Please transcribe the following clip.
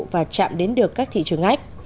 và chạm đến được các thị trường ách